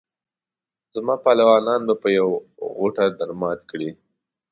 زما پهلوانان به په یوه غوټه درمات کړي.